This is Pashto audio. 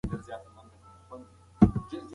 د څرګند دين بيانول ولې مخالفتونه راپاروي!؟